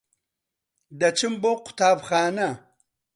دەچم بۆ قوتابخانە.